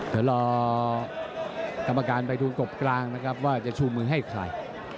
เดี๋ยวรอกรรมการไปดูกบกลางนะครับว่าจะชูมือให้ใคร